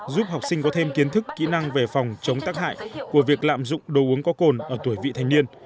giúp học sinh có thêm kiến thức kỹ năng về phòng chống tác hại của việc lạm dụng đồ uống có cồn ở tuổi vị thành niên